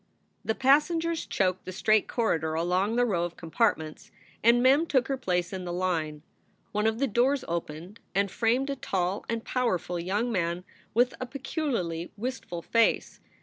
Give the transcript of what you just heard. The passengers choked the straight corridor along the row of compartments, and Mem took her place in the line. One of the doors opened and framed a tall and powerful young man with a peculiarly wistful face.